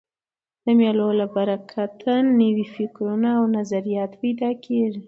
د مېلو له برکته نوي فکرونه او نظریات پیدا کېږي.